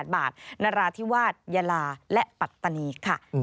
๘บาทนราธิวาสยาลาและปัตตานีค่ะ